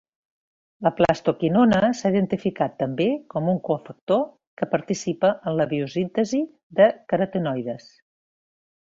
La plastoquinona s’ha identificat també com un cofactor que participa en la biosíntesi de carotenoides.